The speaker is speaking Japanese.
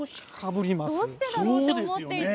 どうしてだろうと思っていて。